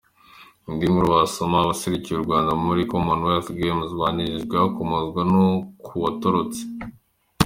Indi nkuru wasoma : Abaserukiye u Rwanda muri ‘Commonwealth Games’ banenzwe, hakomozwa no ku watorotse.